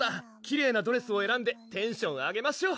きれいなドレスをえらんでテンション上げましょ！